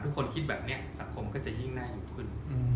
ทุกคนคิดแบบนี้สังคมก็จะยิ่งหน้าอยู่ขึ้น